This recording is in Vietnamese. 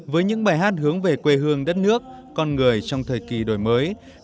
với những bài hát hướng về quê hương đất nước con người trong thời kỳ đổi mới